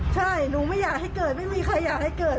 ใช่หนูไม่อยากให้เกิดไม่มีใครอยากให้เกิด